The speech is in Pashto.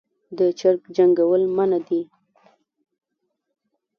د چرګ جنګول منع دي